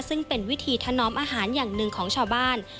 ซึ่งเป็นวิธีถนอมอาหารอย่างหนึ่งของชาวบ้าน